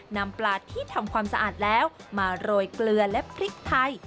นำปลาที่ทำความสะอาดแล้วมาโรยเกลือและพริกไทย